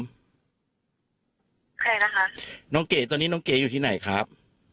ใครนะคะน้องเก๋ตอนนี้น้องเก๋อยู่ที่ไหนครับ